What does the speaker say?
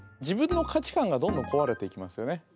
自分の価値観がどんどん壊れていきますよね。